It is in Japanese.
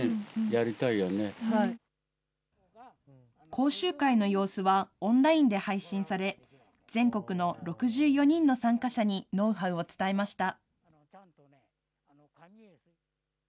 講習会の様子は、オンラインで配信され、全国の６４人の参加者にノウハウを伝えました。